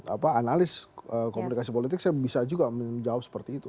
apa analis komunikasi politik saya bisa juga menjawab seperti itu